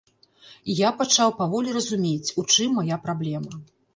І я пачаў паволі разумець, у чым мая праблема.